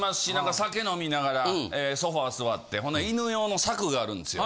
酒飲みながらソファ座ってこんな犬用の柵があるんですよ。